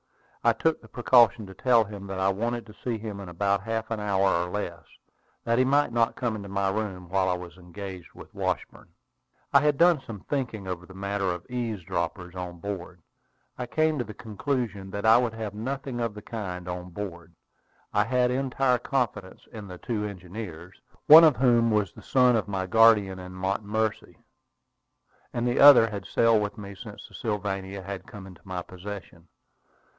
I took the precaution to tell him that I wanted to see him in about half an hour or less, that he might not come into my room while I was engaged with Washburn. I had done some thinking over the matter of eavesdroppers on board. I came to the conclusion that I would have nothing of the kind on board. I had entire confidence in the two engineers, one of whom was the son of my guardian in Montomercy, and the other had sailed with me since the Sylvania had come into my possession.